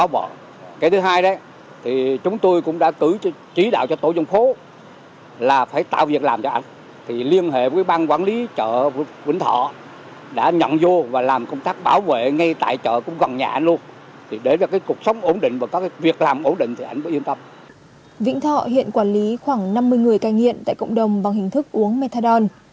vĩnh thọ hiện quản lý khoảng năm mươi người ca nghiện tại cộng đồng bằng hình thức uống methadone